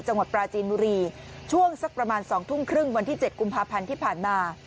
จังหวัดปราจีนบุรีช่วงสักประมาณ๒ทุ่มครึ่งวันที่๗กุมภาพันธ์ที่ผ่านมา